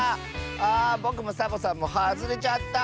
あぼくもサボさんもはずれちゃった。